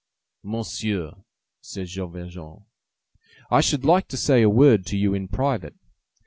"Monsieur," said Jean Valjean, "I should like to say a word to you in private."